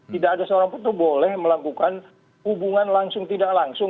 tidak ada seorang pun itu boleh melakukan hubungan langsung tidak langsung